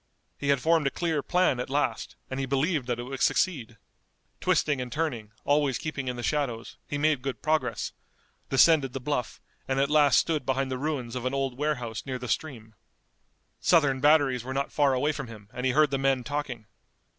He had formed a clear plan at last, and he believed that it would succeed. Twisting and turning, always keeping in the shadows, he made good progress, descended the bluff, and at last stood behind the ruins of an old warehouse near the stream. Southern batteries were not far away from him and he heard the men talking.